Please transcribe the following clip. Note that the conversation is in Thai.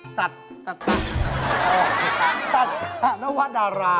สัตทนาว้าดารา